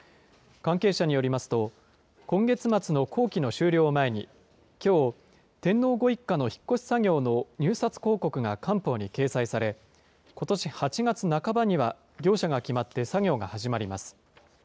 関係者によりますと、今月末の工期の終了を前に、きょう、天皇ご一家の引っ越し作業の入札公告が官報に掲載され、ことし８月半ばには、業者が決まって作業が始まります。